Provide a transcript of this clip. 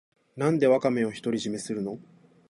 なんでワカメを独り占めするの